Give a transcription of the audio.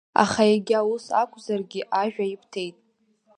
Аха иагьа ус акәзаргьы, ажәа ибҭеит.